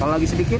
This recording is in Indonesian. kalau lagi sedikit